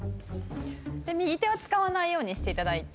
右手は使わないようにして頂いて。